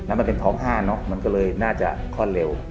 มันเป็นท้อง๕เนอะมันก็เลยน่าจะคล่อนเร็ว